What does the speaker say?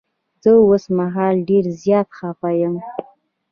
زه اوس مهال ډير زيات خفه یم.